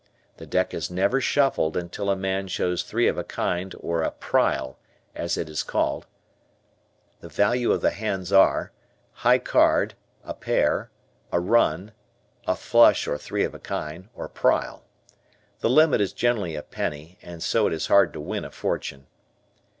The deck is never shuffled until a man shows three of a kind or a "prile" as it is called. The value of the hands are, high card, a pair, a run, a flush or three of a kind or "prile." The limit is generally a penny, so it is hard to win a fortune.